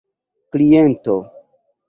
kliento